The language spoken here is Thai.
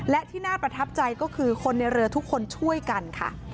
และที่น่าประทับใจก็คือคนในเรือทุกคนช่วยกันค่ะ